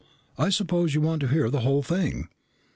"I suppose you want to hear the whole thing."